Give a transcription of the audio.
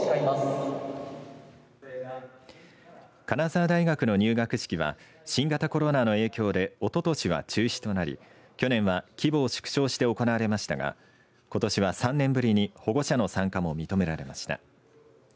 金沢大学の入学式は新型コロナの影響でおととしは中止となり去年は規模を縮小して行われましたがことしは３年ぶりに保護者の参加も認められました。